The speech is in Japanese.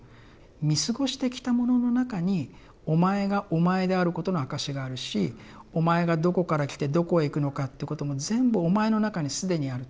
見過ごしてきたものの中にお前がお前であることの証しがあるしお前がどこから来てどこへ行くのかっていうことも全部お前の中に既にあると。